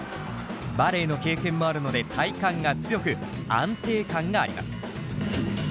バレエの経験もあるので体幹が強く安定感があります。